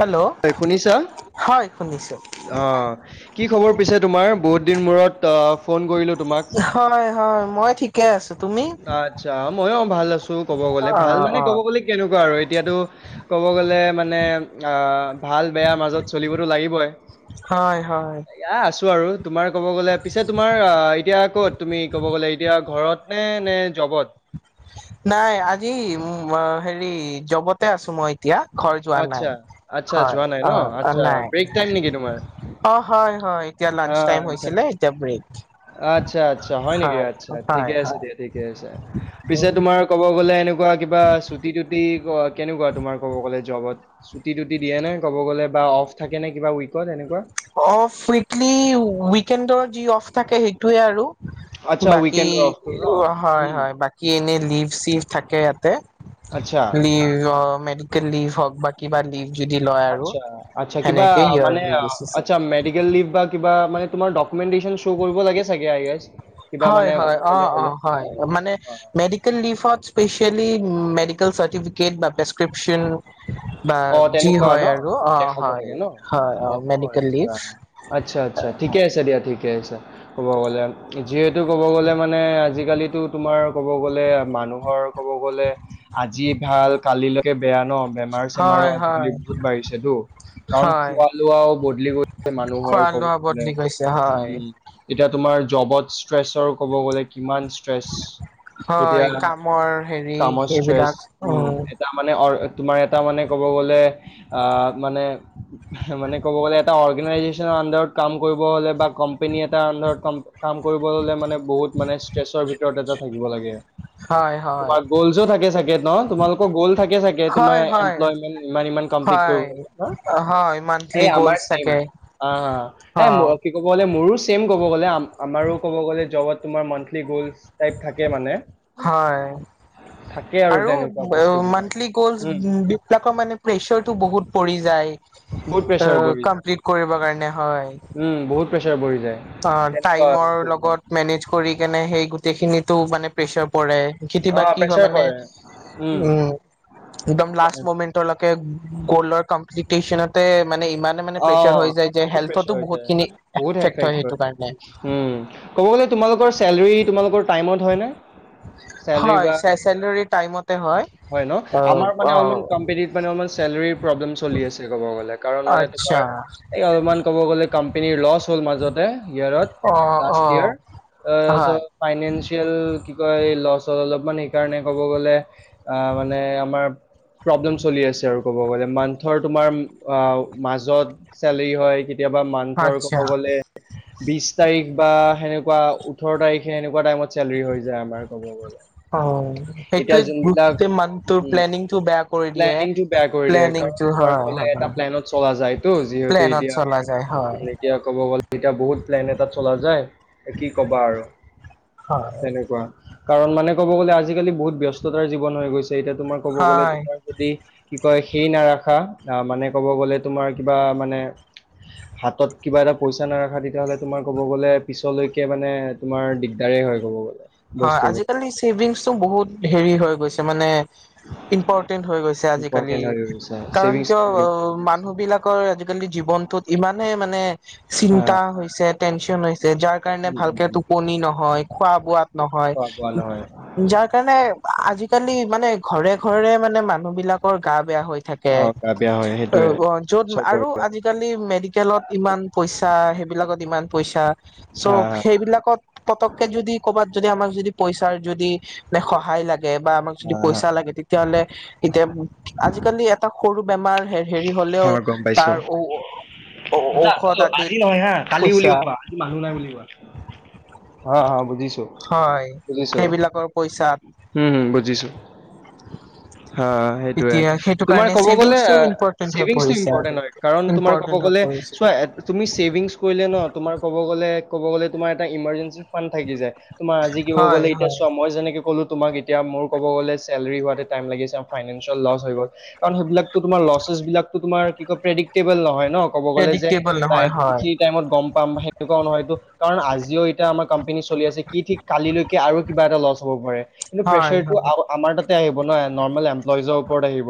Hello হয় শুনিছা হয় শুনিছো অ', কি খবৰ পিছে তোমাৰ বহুত দিন মূৰত ফোন কৰিলোঁ তোমাক হয়, হয় মই ঠিকে আছো ত আচ্ছা, মই অ', ভাল আছো ক'ব গ'লে ভাল অ' মানে ক'ব অ' গ'লে কেনেকুৱা আৰু এতিয়াতো ক'ব গ'লে মানে ভাল বেয়াাৰ মাজত চলিবতো লাগিবই হয়, হয় এয়া আছোঁ আৰু তোমাৰ ক'ব গ'লে পিছে তোমাৰ এতিয়া ক'ত তুমি ক'ব গ'লে এতিয়া ঘৰত নে জবত নাই আজি হেৰি জবতে আছো মই এতিয়া ঘৰ যোৱা আচ্ছা নাই আচ্ছা হয় যোৱা নাই ন অ', আচ্ছা নাই ব্ৰেক টাইম নেকি তোমাৰ অ', হয় হয় এতিয়া লাঞ্চ আহ টাইম আচ্ছা হৈছিলে এতিয়া ব্ৰেক আচ্ছা, আচ্ছা হয় নেকি আচ্ছা হয় ঠিকে আছে হয় দিয়া ঠিকে আছে পিছে তোমাৰ ক'ব গ'লে এনেকুৱা কিবা চুটি তটুটি কেনেকুৱা তোমাৰ ক'ব গ'লে জবত চুটি তুটি দিয়ে নে ক'ব গ'লে বা অফ থাকে নে কিবা উইকত এনেকুৱা অফ উইলি উইকেডৰ যি অফ থাকে সেইটোৱে আৰু আচ্ছা, বাকী উইকেণ্ডৰ অফটো ন? হয়, উম, হয় বাকী এনে লিভ চিভ থাকে ইয়াতে আচ্ছা, লিভ মেডিকেল লিভ হওক বা কিবা লিভ যদি লয় আৰু আচ্ছা, আচ্ছা, কিবা সেনেক মানে অ', আচা মেডিকেল লিভ বা কিবা মানে তোমাৰকমেটেশন শ' কৰিব লাগে চাগেছ হয়, হয়, অ', অ', হয় মানে অ। মেডিকেল লিভত স্পেচিয়েলি মেডিকেল চাৰ্টিফিকেট বা প্ৰেছক্ৰিপশ্যন বা অ যি তেনেকুৱা হয় ন আৰু অ', দেখাব হয়, লাগে ন হয়, অ', মেডিকেল লিভ ঠিক আছে দিয়া ঠিকে আছে, ক'ব গ'লে যিহেতু ক'ব গ'লে মানে আজিকালিতো তোমাৰ ক'ব গ'লে মানুহৰ ক'ব গ'লে আজি ভাল কালিলৈকে বেয়া ন বেয়া বেমাৰো হয় আজিকালি হয় বহুত বাঢ়িছেতো কাৰণ হয় খোৱা লোৱাও বদলি গৈছে মানুহৰ ক'ব গ'লে বুলি কৈছে, উ, এতিয়া তোমাৰ জবত ষ্ট্ৰেছৰ ক'ব গলে কিমান ষ্ট্ৰেছ হয় এতিয়া কামৰ হেৰি কামত ষ্ট্ৰেচ এইবিলাক উ উম এটা মানে অ', তোমাৰ এটা মানে গ মানে মানে কব গলে এটা অৰ্গেনাইজেনৰাৰত আন্দাৰত কাম কৰি কৰিব হ বা কম্পেনী এাৰ অন কাম কৰিব ললে মানে বহুত মানে ষ্ট্ৰেছৰ ভিতৰত এটা থাকিব লাগে হয় হয় তোমাৰ গ'লছো থাকে চাগে ন তোমালোকৰ গ'ল থাকে চাগে তোমাৰ হয় হয় লাগ হয় হয় মান্থলি এই আমাৰ গ'লছ থাকে অ', এ অ কি কব বলে মোৰো চছেম কব গ আমাৰো ক'ব গ'লে জবত তোমাৰ মানলি গ'ল প থাকে মানে হয় থাকে আৰু তেনেকুৱা বস্তুবিলাক মান্থলি গলছ উম বি বিলাকৰ মানে প্ৰেচাৰটো বহুত পৰি যায় বহুত প্ৰেছাৰ পৰি যায়। কমপ্লিট কৰিব কাৰণে হয় কা ব [unintelligible] অ', টাইমৰ লগত মেনেজ কৰি কেনে সেই গো গোটেইখিনিতো মানে প্ৰেছাৰ পৰে, কেতিয়াবা অ' কি হয়, প্ৰেছাৰ মানে পৰে। উম। একদম লাষ্ট তেনেক মমেণ্টৰ লকে গলৰ কম্প্লিতেচনতে অ বহুত প্ৰেছাৰ হৈ বহুতখিনি যায় বহুত হয় এফেক্ট সেইটো কাৰণে কব গলে তোমালোকৰ চেলাৰী তোমালোকৰ টাইমত হয় নে? হয় চে চেলৰী টাইমতে হয়। হয় ন? অ আমাৰ মানে অ অলমান কোম্পনীত মানে অলমান, চেলাৰীৰ প্ৰব্লেম চলি আছে কব গলে, কাৰণ মানে তোমাৰ আচ্ছা এই অলপমান কব গলে কোম্পানীৰ লচ হল ইয়েৰত অ অ লাষ্ট ইয়েৰ অ', চ হয় ফাইনেন্সিয়েল কি কয় লচৰ অলপ মানে এইকাৰণে ক'ব গ'লে আহ মানে আমাৰ প্ৰব্লেম চলি আছে আৰু কব গলে মান্থৰ তোমাৰ আ মাজ য'ত চলেৰি হয়, কেতিয়াবা মান্থৰ ক'ব আচ্ছা গ'লে, বিশ তাৰিখ বা সেনে ওঠৰ তাৰিখে এনেকুৱা টাইমত চেলৰি হৈ যায় আমাৰ ক'ব গ'লে। অ', সেইটো এতিয়া যোনবিলাক গ্ৰুপ মান তোৰ উম প্লেনিংটো বেয়া কৰি প্লেনিংটো বেয়া দিয়ে কৰি দিয়ে প্লেনিং। কাৰণ তোমাৰ ক'লে এটা প্লেনত চলা যায় তো যিহেতু প্লেনত এতিয়া। চলা যায় হয় উম, এতিয়া ক'ব গ'লে, এতিয়া বহুত প্লেন এটা চলা যায়, কি ক'বা আৰু? হয়। তেনেকুৱা, কাৰণ মানে ক'ব গ'লে, আজিকালি বহুত ব্যস্ততা জীৱন হৈ গৈছে। এতিয়া তোমাৰ কব গলে হয় তোমাৰ যদি কি কয় সেই নাৰাখা, আহ, মানে ক'ব গলে তোমাৰ কিবা মানে! হাতত কিবা এটা পইচা নাৰাখা তেতিয়াহলে তোমাৰ ক'ব গলে পিছলৈকে মানে তোমাৰ দিগদাৰে হয় ক'ব গলে। হয়, বস্তুবোৰ আজিকালি ছেভিংছটো বহুত হেৰি হৈ গৈছে মানে ইম্পৰটেন্ট হৈ গৈছে। চে আজিকালি, ইম্পৰ্টেণ্ট হৈ গৈছে কাৰণ ছেভিংছ কিয় বহুত অ ইম্পৰ্টেণ্ট হৈছে মানুহ বিলাকৰ আজিকালি জীৱনটোত ইমানে মানে হা চিন্তা হৈছে টেনচন হৈছে যাৰ কাৰণে উম, উম, ভালকে উম। টোপনি নহয় খোৱা বোৱা নহয়, খোৱা বোৱা নহয় যাৰ কাৰণে আজিকালি মানে ঘৰে ঘৰে মানে মানে মানুহ বিলাকৰ গা বেয়া হৈ থাকে অ গা বেয়া হয় সেইটোয়ে অঁ অঁ য'ত চবৰে আৰু আজিকালি মেডিকেলত ইমান পইচা সেইবিলাকত ইমান পইচা হা চ' সেইবিলাকত পতককে যদি কৰ'বাত যদি আমাক যদি পইচাৰ যদি মানে সহায় লাগে বা আমাক হা যদি হা পইচা লাগে তেতিয়াহলে এতিয়া, আজিকালি এটা সৰু বেমাৰ হ হেৰি হা হলেও গম পাইছো তাৰ উ দাদা অ, আজি নহয় হা কালি বুলি পইচা কবা, আজি মানুহ নাই বুলি কবা, অঁ, অঁ, বো হয় সেইবিলাকৰ পইচাত উম হম বুজিছো। অ', সেইটোয়ে। এতিয়া সেইটো তোমাৰ কাৰণে কব গলে ছেভিংছটো ইম্পৰ্টেন্ট হৈ ছেভিংছ পৰিছে আৰু ইম্পৰটেন্ট হয় কাৰণ তোমাৰ ক'ব ইম্পৰ্টেন্ট হৈ গলে পৰিছে চোৱা তুমি ছেভিংছ কৰিলে ন তোমাৰ ক'ব গ'লে ক'ব গলে তোমাৰ এটা ইমাৰজেঞ্চি ফানড থাকি যায়, তোমাৰ আজি ক'ব হয় গ'লে এতিয়া হয় চোৱা মই যেনেকে ক'লো তোমাক এতিয়া মোৰ ক'ব গ'লে চেলেৰি হোৱাত লিয়েল ল হৈ গল কাৰণ সেইবিলাকৰ লেছ বিলাকো তোমাৰ কি ক প্ৰেডিক্টেবল নহয়। ন ক'ব গ'লে যে প্ৰেডিক্টেবল নাই নহয় হয় এইখিনি টাইমত গম পাম বা সেনেকুৱাও নহয়টো কাৰণ আজিও এতিয়া আমাক আছে ক আৰু কিবা এটা ল হব প কি হয় প্ৰেচাৰ তো হয় আমাৰ তাতে আহিব। হ নৰ্মেল এমপ্লয়ইজৰ ওপৰত আহিব।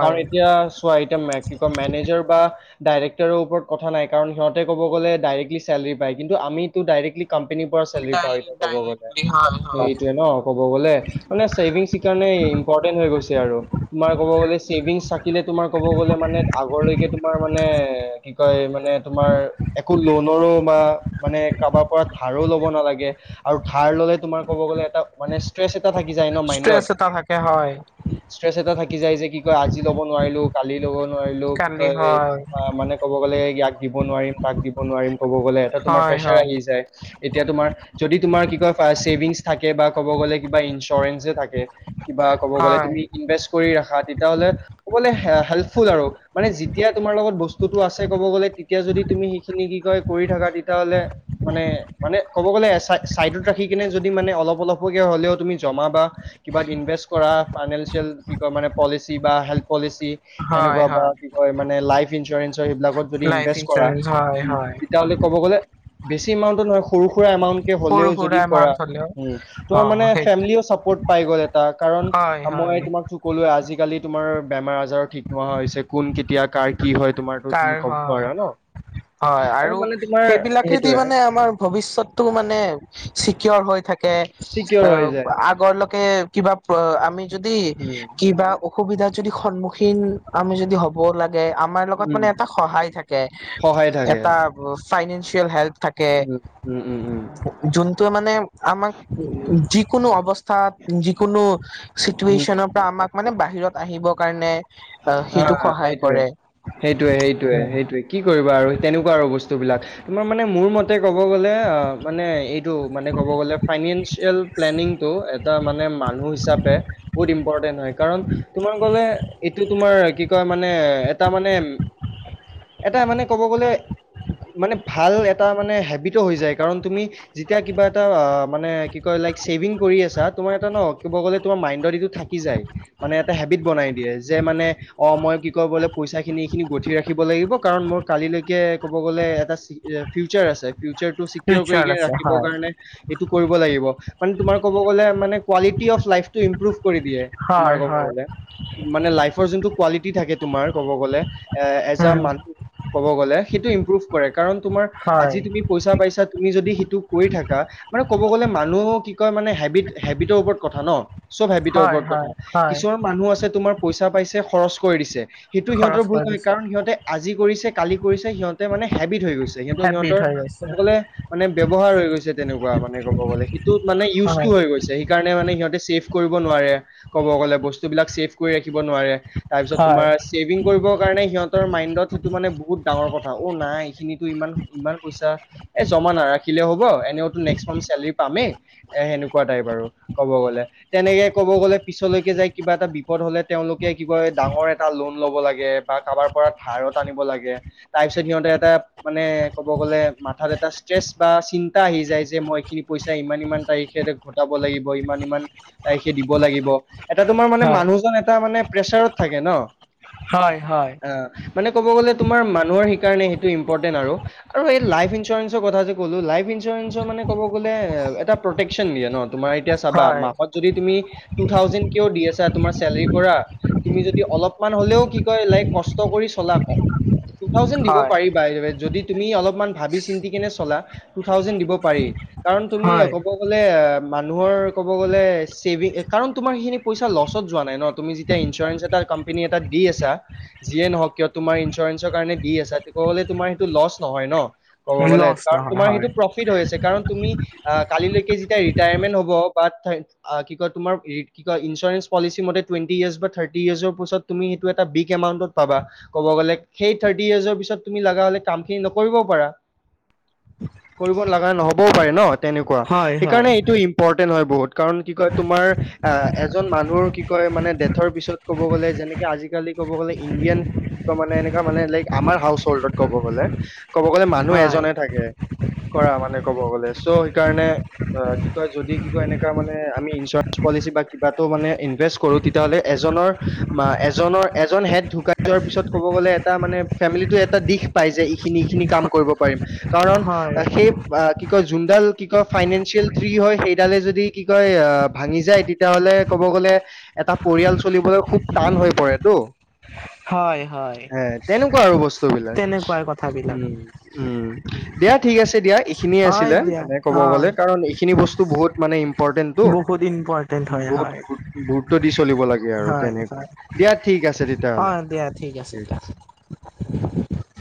কাৰণ এতিয়া চোৱা এতিয়া কি কয় মেনেজাৰ বা ডাইৰেক্টৰ ওপৰত কথাই কাৰণ ইহঁতে ক'ব গ'লে ডাইৰেক্লি চেলেৰি পায় কিন্তু আমিতো ডাইৰেক্টলি কোম্পনীৰ পৰা চেলৰি ডাই পাওঁ এয়া ক'ব গলে ডাইৰেক্টলি হয় হয় সেইটোৱে ন ক'ব গ'লে মানে চছেভিংছ কাৰণে আৰু তোমাৰ কব গলে, চেভিংচ থাকিলে তোমাৰ কব গলে মানে আগৰ লৈকে তোমাৰ মানে কি কয় মানে তোমাৰ একো লনৰো বা মানে কাৰোবাৰ পৰা ধাৰো ল'ব গে আৰু ধাৰ ললে কব গলে এটা মানে থাকি যাই ন মাইডত ষ্ট্ৰেছ এটা থাকে হয় ইষ্টেট এটা থাকি যায় যে আজি ল'ব নোৱাৰিলো কালি ল'ব নোৱাৰিলো কি কালি কয় হয় মানে ক'ব গ'লে দিব নোৱাৰিম তাক দিব নোৱাৰিম ক'ব গ'লে এটা তোমাৰ হয় প্ৰেচাৰ হয় আহি যায় এতিয়া তোমাৰ যদি তোমাৰ কিবা চছেভিংছ থাকে বা ক'ব গ'লে কিবা ইঞ্চুৰেঞ্চো থাকে। কিবা ক'ব গ'লে হয় তুমি ইনভেষ্ট কৰি ৰাখাত় তেতিয়াহ'লে ক'বলে হেল্পফুল আৰু মানে যেতিয়া তোমাৰ লগত বস্তুটো আছে ক'ব গ'লে তেতিয়া যদি তি সেইখিন কি ক কৰি থাকা তেতিয়ালে মানে মানে ক'ব গত ৰাখি কিনে যদি মানে অলপ অলপক হলেও তুমি জমা বা কিবা ইনভেষ্ট কৰা ফাইনেন্সিয়েল কি কয় মানে পলিচি বা হেল্থ পলিচি। হয় সেনেকুৱা বা হয় কি কয় মানে লাইফ তিনছৰ ইনচৰ সেইবিলাকত যদি লাইফ ইনভেষ্ট কৰা ইঞ্চুৰেঞ্চ হয় উম হয় তেতিয়াহলে কব গলে বেছি এমাউণ্টত নহয় সৰু সুৰা এমাউণ্টকে সৰু হলেও যদি সুৰা কৰা, এমাউন্ট হলেও উম অ তোমাৰ মানে সেই ফেমেলীও চাপৰ্ট পাই গ'ল এটা কাৰণ হয় হয় মই তোমাক ত কলোৱে আজি কালি তোমাৰ বেমাৰ আজাৰো ঠিক নোহোৱা হৈছে কোন কেতিয়া কাৰ কি হয় তোমাৰতো তাৰ তুমি ক'ব হয় নোৱাৰা ন। হয় আৰু মানে তোমাৰ সেইবিলাকেদি সেইটোয়ে মানে আমাৰ ভৱষ্যতটো মানে চিকিয়ৰ হৈ থাক কে চিকিয়ৰ অ হৈ যায় আগৰ লৈকে কিবা অ আমি যদি উম কিবা অসুবিধা যদি সন্মুখীন আমি যদি হ'ব লাগ গে আমাৰ লগত মানে উম এটা সহায় থাকে সহায় থাকে এটা ফাইনেঞ্চিয়েল হেল্প থাকে। উম উম উম উম যোনটোৱে মানে আমাক যিকোনো অৱস্থাত যিকোনো উম চিটুৱেশচনৰ পৰা আমাক মানে বাহিৰত আহিবৰ কাৰণে অঁ সেইটোক সহায় কৰে। টোৱে সেইটোৱে উম, সেইটোৱে, কি কৰিব আৰু তেনেকুৱা আৰু বস্তু বিলাক, তোমাৰ মানে মোৰ মতে ক'ব গলে মানে এইটো মানে ক'ব গলে ফাইনেনচিয়েল প্লেনিংটো এটা মানে মানুহ হিচাপে বহুত ইম্পৰ্টেন্ট হয়, কাৰণ তোমাৰ [unintelligible] এইটো তোমাৰ কি কয় মানে এটা মানে এটা মানে ক'ব গ'লে মানে ভাল এটা মানে হেবিতো হৈ যায় কাৰণ তুমি যেতিয়া কিবা এটা মানে কি কয় ছেভিং কৰি আছা তোমাৰ এটা ন, মাইণ্ডত থাকি যায়। মানে এটা হেবিত বনাই দিয়ে। যে মানে অ' মই কি ক' বোলে পইচা খিনি এইখিনি গঠি ৰাখিব লাগিব কাৰণ মোৰ কালিলৈকে ক'ব গ'লে। এ এটা [unintelligible] ফিউচাৰ আছে, ফিউচাৰটো চিকিউৰ কৰি ফিউচাৰ আছে ৰাখিবৰ হয় কাৰণে এইটো কৰিব লাগিব। মানে তোমাৰ কব গ'লে মানে কোৱালিটি অফ লাইফটো ইম্প্ৰুভ কৰি দিয়ে, তোমাৰ হয় কব হয় গলে। মানে, লাইফৰ যোনটো কোৱালিটি থাকে তোমাৰ ক'ব গলে। এ এজন উম মানুহ ক'ব গ'লে সেইটো ইম্প্ৰুভ কৰে কাৰণ তোমাৰ হয় আজি তুমি পইচা পাইছা। তুমি যদি টো কৰি থাকা মানে ক'ব গ'লে মানুহ কি কয় মানে হেবিট হেবিটৰ ওপৰত কথা ন। চব হেবিত হয় ওপৰত কথা, হয় হয় কিছুমান মানুহ আছে তোমাৰ পইচা পাইছে খৰচ কৰি দিছে। সেইটো সিহঁতৰ খৰচ ভুল কৰি নহয়, দিছে কাৰণ সিহঁতে আজি কৰিছে কালি কৰিছে সিহঁতে মানে হেবিট হৈ গৈছে। সেইটো হেবিট সিহঁতৰ হৈ গৈছে ক'ব গলে মানে ব্যৱহাৰ হৈ গৈছে, তেনেকুৱা মানে ক'ব গ'লে। মানে ইউজটো হয় হৈ গৈছে, সেইকাৰণে মানে সিহঁতে ছেফ কৰিব নোৱাৰে ক'ব গ'লে। বস্তু বিলাক ছেফ, কৰি ৰাখিব নোৱাৰে। তাৰপিছত হয় তোমাৰ ছেভিং কৰিব কাৰণে সিহঁতৰ মাইণ্ড ত সেইটো মানে বহুত ডাঙৰ কথা, অ' নাই এইখিনিতো ইমান ইমান পইচা এ জমা নাৰাখিলেও হ'ব। এনেওটো নেক্সট মান্থ চেলেৰী পামেই, এ সেনেকুৱা টাইপ আৰু কব গলে। তেনেকে কব গলে পিছলৈ কি যায়, কিবা এটা বিপদ হলে তেওঁলোকে কি কয় ডাঙৰ এটা লোন লব লাগে বা কাৰোবাৰ পৰা ধাৰত আনিব লাগে। তাৰপিছত সিহঁতে মানে এটা কব গলে মাথাত এটা ষ্ট্ৰেছ বা চিন্তা আহি যায় যে, মই কি কৰি এতিয়া ইমান ইমান তাৰিখে ঘটাব লাগিব, ইমান ইমান তাৰিখে দিব লাগিব। এটা তোমাৰ মানে হয় মানুহজন এটা মানে প্ৰেচাৰত থাকে ন। হয় হয় অ মানে ক'ব গ'লে তোমাৰ মানুহ সেই কাৰণে সেইটো ইম্পৰ্টেণ্ট আৰু এই লাইফ ইঞ্চুৰেঞ্চৰ কথা যে ক'লো লাইফ ইঞ্চুৰেঞ্চৰ মানে ক'ব গ'লে এটা প্ৰটেকচন দিয়ে ন তোমাৰ এতিয়া চাবা হয় মাহত যদি তুমি টু থাউজেণ্ড কিয় দি আছা তোমাৰ চেলাউৰি পৰা তুমি যদি অলপমান হলেও কি কয় লাইক কষ্ট কৰি চলা ক টু থাউজেণ্ড দিব হয় পাৰিবা এই যদি তুমি অলপমান ভাবি চিন্তি কেনে চলা টু থাউজেণ্ড দিব পাৰি কাৰণ তুমি হয় ক'ব গলে মানুহৰ ক'ব গলে চেভি কাৰণ তোমাৰ সেইখিনি পইচা লষ্ট লষ্টত ৱা নাই ন তুমি যেতিয়া ইঞ্চুৰেঞ্চ এটা কমী এটা দিছ যিয়ে নহওক কিয় তোমাৰ ইঞ্চুৰেঞ্চৰ কাৰণে দি আছা ক'লে তোমাৰ সেইটো লছ নহয় ন ক'ব গ'লে লছ কাৰণ নহয় তোমাৰ হয় সেইটো প্ৰফিট হৈ আছে কাৰণ তুমি কালিলৈকে যেতিয়া ৰিটায়াৰমেন্ট হ'ব বা কি কয় তোমাৰ কি কয় ইঞ্চৰেঞ্চ তুমি সেইটো এটা বিগ এমাউন্টত পাবা ক'ব গ'লে সেই তুমি লগা হ'লে কামখিনি নকৰিব পাৰা কৰিব লগা নহ'বও পাৰে ন তেনেকুৱা হয় হয় সেইকাৰণে এইটো ইম্পৰ্টেণ্ট হয় বহুত কাৰণ কি কয় তোমাৰ আহ এজন মানুহ কি কয় মানে ডেথৰ পিছত ক'ব গ'লে যেনেকে আজিকালি ক'ব গ'লে ইণ্ডিয়ান কি ক মানে এনেকা মানে লাইক আমাৰ হাউচ হল্ডত ক'ব গ'লে ক'ব গ'লে মানুহ হয় এজনে থাকে কৰা মানে কব গলে চ' সেইকাৰণে অ কি কয় যদি কি কয় এনেকুৱা মানে আমি ইঞ্চুৰেঞ্চ পলিচি বা কিবাো মানে ইনভেষ্ট কৰো তেতিয়াাহ'লে এজনৰ এজনৰ এজন হেড ঢুকাই যোৱাৰ পিছত কব গলে এটা মানে ফেমিলিটো এটা দিশ পায় যে এইখিনি এইখিনি কাম কৰিব পাৰিম কাৰণ হয় সেই কি কয় যোনডাল কি কয় ফাইনেন্সিয়েল থ্ৰী হয় সেইডালে যদি কি কয় ভাঙি যায় তেতিয়াহ'লে গলে এটা পৰিয়াল চলিবলৈ খুব টান হৈ পৰেতো হয় হয় হে তেনেকুৱা আৰু বস্তু বিলাক তেনেকুৱাই কথাবিলাক উম উম দিয়া ঠিক আছে দিয়া এইখিনিয়ে হয় আছিলে দিয়া মানে ক'ব গ'লে হয় কাৰণ এইখিনি বস্তু বহুত মানে ইম্পৰ্টেণ্টটো বহুত ইম্পৰ্টেণ্ট হয় বহুত হয় গুৰুত্ব দি চলিব লাগে আৰু হয় তেনেকৈ হয় দিয়া ঠিক আছে অ তেতিয়াহলে দিয়া ঠিক আছে দিয়া